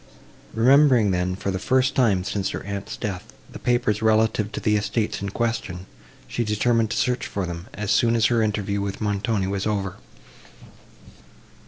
Remembering then, for the first time since her aunt's death, the papers relative to the estates in question, she determined to search for them, as soon as her interview with Montoni was over.